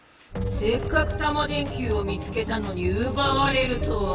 せっかくタマ電Ｑを見つけたのにうばわれるとは。